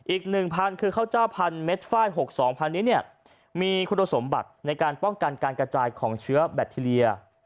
อีกหนึ่งพันธุ์คือข้าวเจ้าพันธุ์เมตรไฟล์๖๒พันธุ์นี้มีคุณสมบัติในการป้องกันการกระจายของเชื้อแบตเทียร์